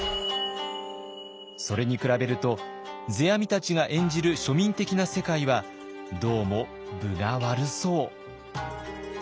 それに比べると世阿弥たちが演じる庶民的な世界はどうも分が悪そう。